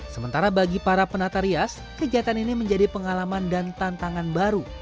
sementara bagi para penata rias kegiatan ini menjadi pengalaman dan tantangan baru